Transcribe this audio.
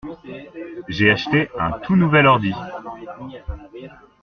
J'ai acheté un tout nouvel ordi.